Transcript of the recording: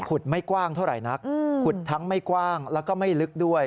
ไม่กว้างเท่าไหร่นักขุดทั้งไม่กว้างแล้วก็ไม่ลึกด้วย